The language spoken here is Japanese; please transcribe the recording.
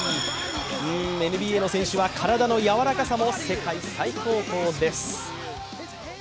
ん、ＮＢＡの選手は体のやわらかさも世界最高峰です。